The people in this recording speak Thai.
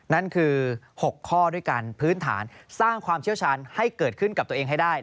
นั่นคือ๖ข้อด้วยกันพื้นฐานสร้างความเชี่ยวชาญให้เกิดขึ้นกับตัวเองให้ได้